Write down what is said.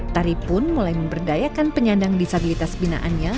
tari pun mulai memberdayakan penyandang disabilitas binaannya